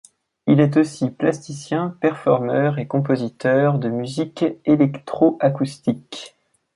Il est aussi plasticien, performer et compositeur de musique électroacoustique.